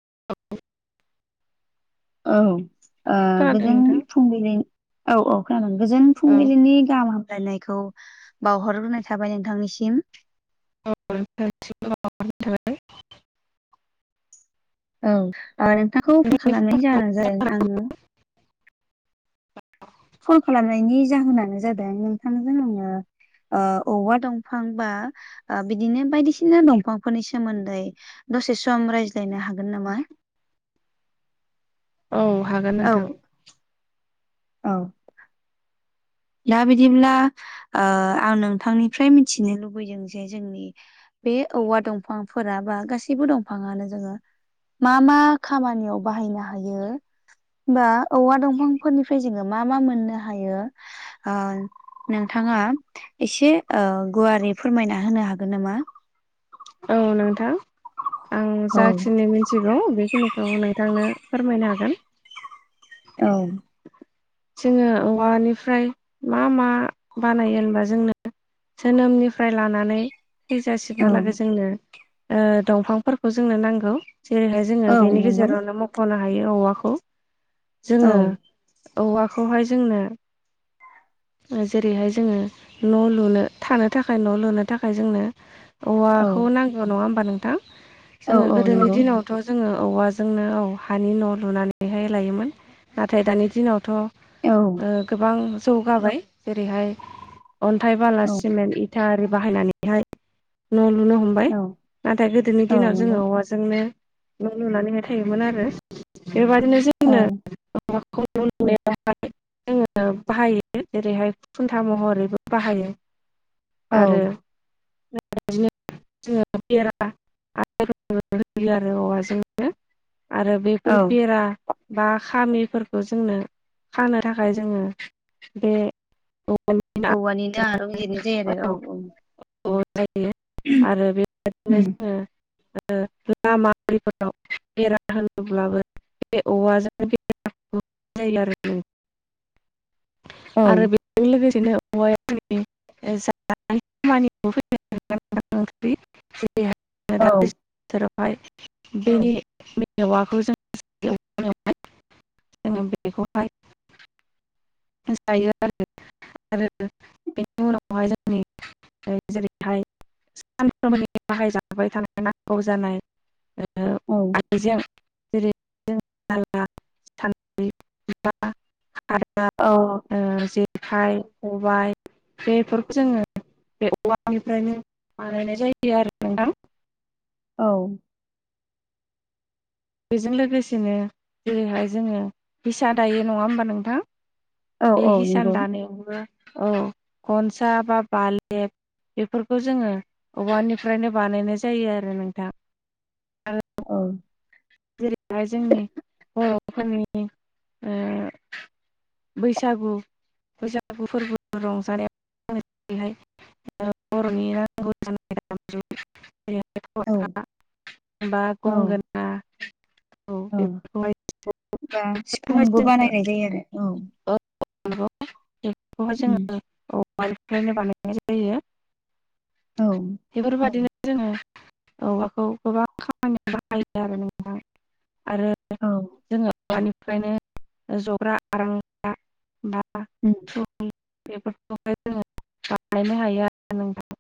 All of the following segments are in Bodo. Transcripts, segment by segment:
[inaudible] औ ओ खोनादों गोजोन नोंथां फुंबिलि औ गोजोन औ फुंबिलिनि गाहाम हामलायनायखौ बावहरग्रोनाय थाबाय नोंथांनिसिम [unintelligible] औ ओनोंथांखौ फन खालामनायनि जाहोनानो जाबाय आं खल खालामनायनि जाहोनानो जादों नोंथांजों आङो औवा दंफां बा बिदिनो बायदिसिना दंफांफोरनि सोमोन्दै दसे सम रायज्लायनो हागोन नामा औ हागोन नोंथां अ दा बिदिब्ला ओ आं नोंथांनिफ्राय मिथिनो लुबैदों जे जोंनि बे औवा दंफांफोरा बा गासैबो दंफाङानो जोङो मा मा खामानियाव बाहायनो हायो होनबा औवा दंफांफोरनिफ्राय जोङो मा मा मोननो हायो हागोन औ नोंथां आं औ जाखिनि मिथिगौ बे खिनिखौ नोंथांनो फोरमायनो हागोन औ जोङो औवानिफ्राय मा मा बानायो होनबा जोंनो जोनोमनिफ्राय लानानै थैजासिमहालागै जोंनो ओ दंफांफोरखौ जोंनो नांगौ जेरैहाय जोङो औ बेनि नंगौ गेजेरावनो मख'नो हायो औवाखौ औ जोङो औवाखौहाय जोंनो जेरैहाय जोङो न' लुनो थानो थाखाय न' लुनो थाखाय जोंनो औवा औ खौ नांगौ नङा होमबा नोंथां औ जोङो औ गोदोनि नंगौ दिनाव थ' जोङो औवाजोंनो औ हानि न' लुनानैहाय लायोमोन नाथाय दानि दिनावथ' ओ औ गोबां जौगाबाय जेरैहाय अन्थाइ बाला औ सिमेन्ट इद इता आरि बाहायनानैहाय नुनो हमबाय औ नाथाय गोदोनि औ दिनाव जोङो नंगौ औवाजोंनो न' लुनानैहाय थायोमोन आरो बेबायदिनो औ [unintelligible] जोङो बाहायो जेरैहाय खुन्था महरैबो बाहायो आरो औ बिदिनो जोङो बेरा [unintelligible] आरो औवाजोंनो आरो बेफोर औ बेरा बा खामिफोरखौ जोंनो खानो थाखाय जोङो बे औवानिनो आरं जिरनाय जायो आरो औ औ [unintelligible] आरो बेबायदिनो जोङो लामा आरिफोराव बेरा होनोब्लाबो बे औवाजों [unintelligible] औ आरो बे बेजों लोगोसेनो औवाया औ [unintelligible] [unintelligible] जेरावहाय बेनि मेवाखौ जों [unintelligible] जोङो बेखौहाय जायो आरो आरो बेनि उनावहाय जोंनि जेरै बेहाय सानफ्रोमबोनि बाहायजाबाय थानाय नांगौ जानाय औ। हैजों जेरै [unintelligible] [unintelligible] औ। ओ जेखाइ खबाय बेफोरखौ जोङो बे औवा निफ्रायनो बानायनाय जायो आरो नोंथां। औ। बेजों लोगोसेनो जेरैहाय जोङो हिसा दायो नङा होमबा नोंथां? औ बे औ हिसान नंगौ दानायावबो औ खनसा बा बालेब बेफोरखौ जोङो औवानिफ्रायनो बानायनाय जायो आरो नोंथां। आरो औ। जेरैहाय जोंनि बर'फोरनि ओ बैसागु बैसागु फोरबो रंजानाय [unintelligible] [unintelligible] औ [unintelligible] औ औ बेफोरखौहाय बा सिफुंबो जों बानायनाय जायो आरो औ। [unintelligible] बेफोरखौहाय जोङो औवानिफ्रायनो बानायनाय जायो। बेफोरबायदिनो जोङो औवाखौ गोबां खामानियाव बा आयदा आरो नोंथां आरो औ जोङो औवानिफ्रायनो जग्रा आरांगा बा [unintelligible] बेफोरखौहाय जोङो बानायनो हायो आरो। नोंथां।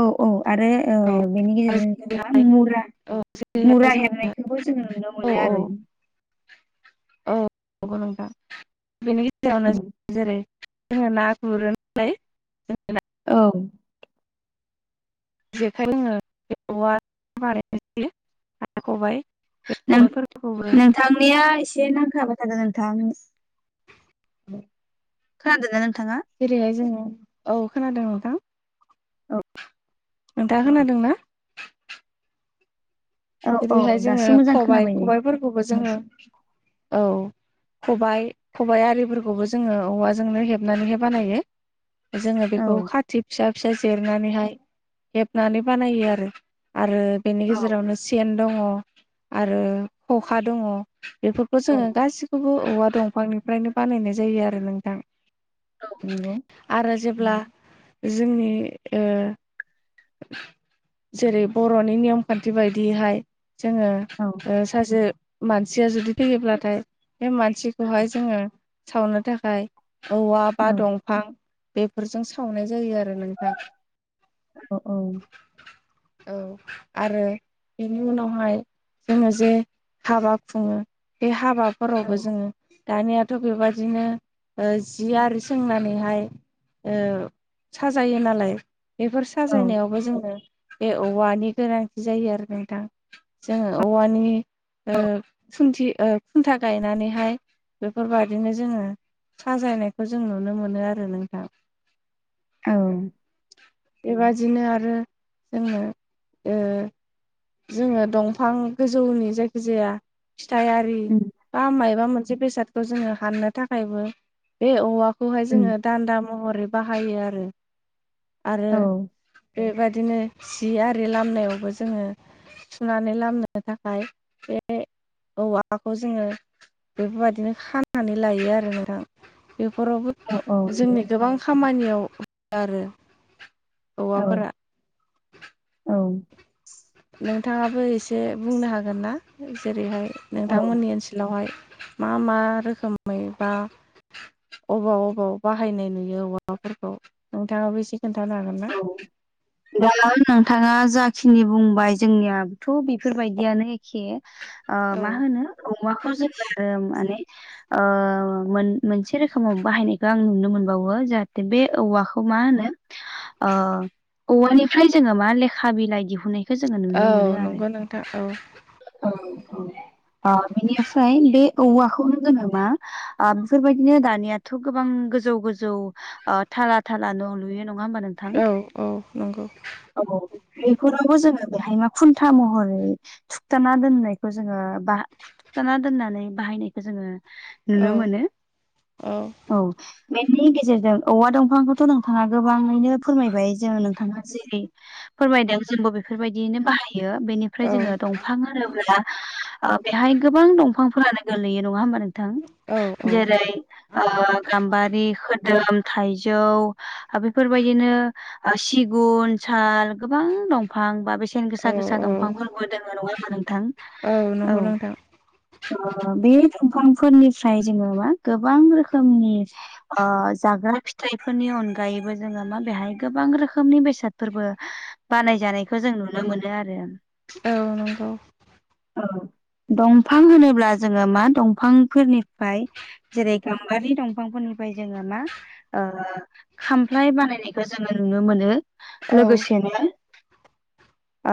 औ औ आरो ओ बेनि औ गेजेरजों जेनेबा जेरैहाय मुरा औ जेरैहाय मुरा जों हेबनायखौबो जोंङो नुनो औ मोनो औ आरो। औ नंगौ नोंथा बेनि गेजेरावनो जेरै जोङो ना गुरो नालाय। औ। जेखाय [unintelligible] नों-नोंथांनिया एसे नांथाबाय थादो नोंथां। [inaudible] खोनादोना नोंथाङा? जेरैहाय जोङो औ खोनादों नोंथां। औ। नोंथाङा खोनादों ना? औ औ जेरैहाय जोङो दासो मोजां खबाय खोनाबाय दे खबायफोरखौबो जोङो औ। खबाइ खबाइ आरिफोरखौबो जोङो औवाजोंनो हेबनानैहाय बानायो। जोङो औ बेखौ खाथि फिसा फिसा देरनानैहाय हेबनानै बानायो आरो। आरो बेनि औ गेजेरावनो सेन दङ आरो खखा दङ बेफोरखो औ जोङो गासि खौबो औवा दंफांनिफ्रायनो बानायनाय जायो आरो नोंथां। औ नोंगौ। आरो जेब्ला जोंनि ओ जेरै बर'नि नियम खान्थि बायदियैहाय जोङो औ। ओ सासे मानसिया जुदि थैयोब्लाथाय बे मानसिखौहाय जोङो सावनो थाखाय औवा औ बा दंफां बेफोरजों सावनाय जायो आरो नोंथां। अ औ। औ आरो बेनि उनावहाय जोङो जे हाबा खुङो बे हाबाफोरावबो जोङो दानियाथ' बेबायदिनो जि आरो सोंनानैहाय साजायो नालाय बेफोर औ साजायनायावबो जोङो बे औवानि गोनांथि जायो आरो नोंथां जोङो औवानि खुन्थि खुन्था गायनानैहाय बेफोरबायादिनो जोङो साजायनायखौ जों नुनो मोनो आरो नोंथां औ बेबादिनो आरो जोंनो ओ जोङो दंफां गोजौनि जायखिजाया फिथाइयारि उम बा मायबा मोनसे बेसादखौ जोङो हाननो थाखायबो बे औवाखौहाय उम जोङो दान्दा महरै बाहायो आरो आरो औ बेबायदिनो जि आरि लामनायावबो जोङो सुनानै लामनो थाखाय बे औवाखौ जोङो बेफोरबायदिनो खानानै लायो आरो नोंथां बेफोरावबो औ औ नंगौ जोंनि गोबां खामानियाव हो [inaudible] आरो औ औवाफोरा औ नोंथाङाबो एसे बुंनो हागोन ना जेरैहाय औ नोंथांमोननि ओनसोलावहाय मा मा रोखोमै बा अबाव अबाव बाहायनाय नुयो औवाफोरखौ नोंथाङाबो एसे खोन्थानो हागोन ना? दायो नोंथाङा जाखिनि बुंबाय जोंनियाथ' बेफोरबायदियानो एखे ओ औ मा होनो औवाखौ जोङो माने मोनसे रोखोमाव बाहायनायखौ आं नुनो मोनबावो जाहाथे बे औवाखौ खौ मा होनो औवानिफ्राय जोङो मा लेखा बिलाइ दिहुननाय बेखौ जोङो नुनो मोनो औ नंगौ नोंथां औ आरो ओ बेनिफ्राय बे औवाखौनो जोङो मा आ बेफोरबायदिनो दानियाथ' गोबां गोजौ गोजौ थाला थाला न' लुयो नङा होमबा नों औ औ नंगौ औ बेफोरावबो जोङो बेहाय मा खुन्था महरै थुखथाना दोननायखौ जोङो बा खुरथथाना दोननानै बाहायनायखौ जोङो औ नुनो मोनो औ बेनि गेजेरजों औवा दंफांखौथ' नोंथाङा गोबाङैनो फोरमायबाय जोंङो नोंथाङा जेरै फोरमायनायाव जोंबो बेफोरबायदियैनो बाहाय यो बेनिफ्राय औ जोङो दंफां होनोब्ला बेहाय गोबां दंफांफोरानो गोलैयो नङा होमबा नोंथां औ जेरै गाम्बारि खोदोम थाइजौ बेफोरबाय बिदिनो सिगुन साल गोबां दंफां बा बेसेन गोसा औ गोसा दंफांफोर बो दङ नङा होमबा नोंथां? औ नंगौ नोंथां बे दंफांफोरनिफ्राय जोङो मा गोबां रोखोमनि ओ जाग्रा फिथाइफोरनि अनगायैबो जोङो मा बेहाय गोबां रोखोमनि बेसादफोरबो बानाय जानायखौ जों नुनो मोनो आरो औ नंगौ औ दंफां होनोब्ला जोङो मा दंफांफोरनिफ्राय जेरै गामबारि दंफांफोरनिफ्राय जोङो मा खाम फ्लाय बानायनायखौ जोङो नुनो मोनो औ लोगोसेनो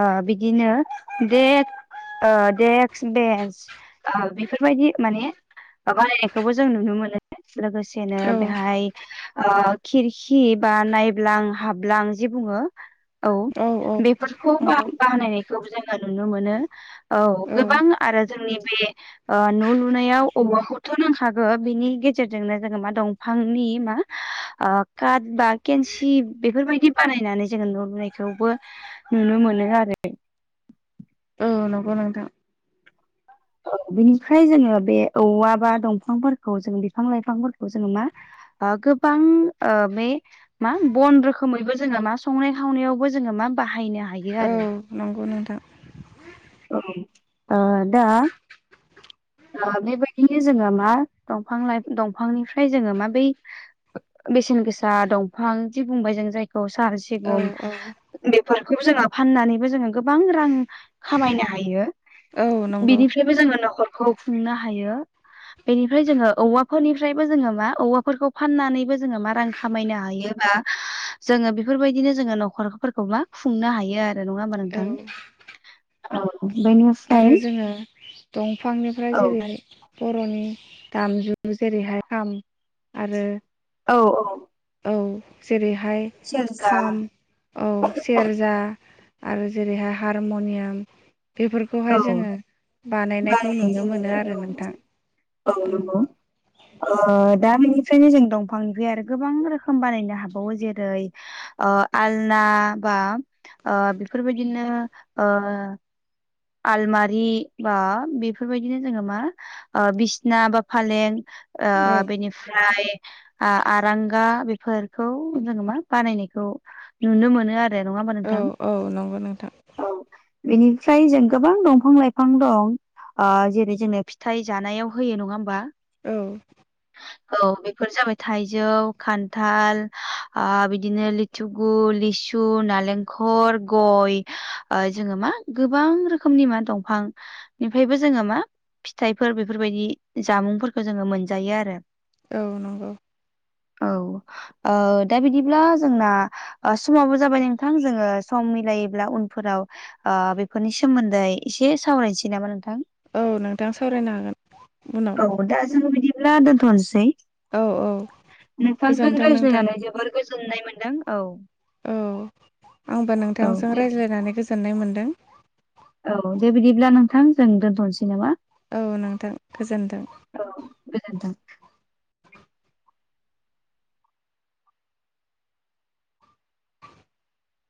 ओ बिदिनो देक्क बेन्स बेफोरबायदि माने बानायनायखौबो जों नुनो मोनो लोगोसेनो औ बेहाय खिर खि बा नायब्लां हाबलां जे बुङो औ बेफोरखौ बा-बानायनायखौबो जोङो नुनो मोनो। औ गोबां आरो जोंनि बे ओ न' लुनायाव औवाखौथ' नांखागो बिनि गेजेरजोंनो जोङो मा दं फांनि मा ओ काट बा केन्सि बेफोरबायदि बानायनानै जोङो न' लुनायखौबो नुनो मोनो आरो। औ नंगौ नोंथां। बिनिफ्राय जोङो बे औवा बा दंफांफोरखौ जों बिफां लाइफांफोरखौ जोङो मा ओ गोबां ओ बे मा बन रोखोमैबो जोङो मा संनाय खावनायावबो जोङो मा बाहायनो हायो औ आरो। नंगौ नोंथां। ओ दा ओ बेबायदिनो जोङो मा दंफां लाइ दंफांनिफ्राय जोङो मा बै बेसेन गोसा दंफां जि बुंबाय जों जायखौ औ औ [unintelligible] [unintelligible] बेफोरखौबो जोङो फाननानैबो जोङो गोबां रां खामायनो हायो औ नंगौ बिनिफ्रायबो जोङो न'खरखौ खुंनो हायो। बेनिफ्राय जोङो औवाफोरनिफ्रायबो जोङो मा औवाफोरखौ फाननानैबो जोङो मा रां खामायनो हायो बा जोङो बेफोरबायदिनो जोङो न'खरफोरखौ मा खुंनो हायो आरो नङा होमबा औ नोंथां? औ [unintelligible] आरो जोङो दंफांनिफ्राय औ जेरै बर'नि दामजु जेरैहाय खाम आरो औ औ। औ जेरैहाय सेरजा खाम औ सेरजा आरो जेरैहाय हारमुनियाम बेफोर औ खौहाय जोङो बानायनायखौ बानायनाय नुनो जायो मोनो आरो औ नोंथां। औ नंगौ। ओ दा बेनिफ्रायनो जों दंफांनिफ्राय आरो गोबां रोखोम बानायनो हाबावो जेरै ओ आलना बा ओ बेफोरबायदिनो ओ आलमारि बा बेफोरबायदिनो जोङो मा ओ बिसना बा फालें ओ बेनिफ्राय आ-आरांगा बेफोरखौ जोङो मा बानायनायखौ नुनो मोनो आरो। रो नङा होमबा औ नोंथां? औ नंगौ नोंथां गोबां दंफां लाइफां दं ओ जेरै जोंनो फिथाइ जानायाव होयो नङा होमबा? औ औ बेफोर जाबाय थाइजौ खान्थाल ओ बिदिनो लि थुगु, लिसु, नालेंखर, गय ओ जोङो मा गोबां रोख खोमनि मा दंफांनिफ्रायबो जोङो मा फिथाइफोर बेफोरबायदि जामुंफोरखौ जोङो मोनजायो आरो। औ नंगौ। औ ओ दा बिदिब्ला जोंना ओ समाबो जाबाय नोंथां जोङो सम मिलायोब्ला उनफोराव ओ बेफोरनि सोमोन्दै एसे सावरायसै नामा नोंथां? औ नोंथां सावरायनो हागोन उनाव। औ दा जों बिदिब्ला दोनथ'नोसै। औ औ गोजोन्थों नोंथां गोजोननाय मोन्दों। औ आंबो नोंथांजों दे रायज्लायनानै गोजोननाय मोन्दों। औ दे बिदिब्ला नोंथां जों दोन्थ'नोसै नामा? औ नोंथां गोजोनथों। औ गोजोनथों।